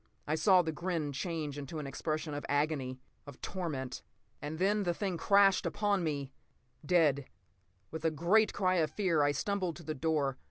I saw the grin change to an expression of agony, of torment. And then the thing crashed upon me—dead. With a great cry of fear I stumbled to the door.